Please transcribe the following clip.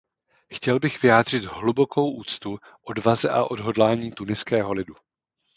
Chtěl bych vyjádřit hlubokou úctu odvaze a odhodlání tuniského lidu.